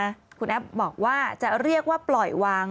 อยู่ตลอดเวลาคุณแอฟบอกว่าจะเรียกว่าปล่อยวาง